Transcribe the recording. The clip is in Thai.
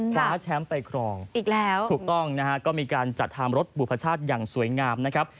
คว้าแชมป์ไปครองอีกแล้วถูกต้องนะฮะก็มีการจัดทำรถบุพชาติอย่างสวยงามนะครับ